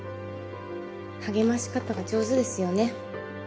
励まし方が上手ですよね